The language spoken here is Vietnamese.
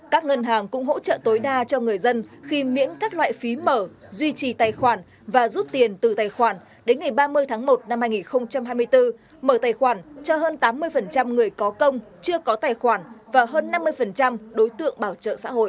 các ngân hàng cũng hỗ trợ tối đa cho người dân khi miễn các loại phí mở duy trì tài khoản và rút tiền từ tài khoản đến ngày ba mươi tháng một năm hai nghìn hai mươi bốn mở tài khoản cho hơn tám mươi người có công chưa có tài khoản và hơn năm mươi đối tượng bảo trợ xã hội